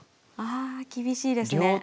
ああ厳しいですね。